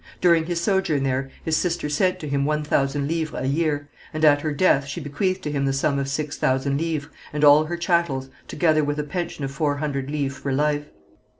During his sojourn there his sister sent to him one thousand livres a year, and at her death she bequeathed to him the sum of six thousand livres, and all her chattels, together with a pension of four hundred livres for life.